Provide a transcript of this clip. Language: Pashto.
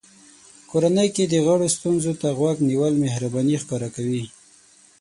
کورنۍ کې د غړو ستونزو ته غوږ نیول مهرباني ښکاره کوي.